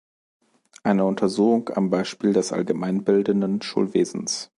Eine Untersuchung am Beispiel des allgemeinbildenden Schulwesens".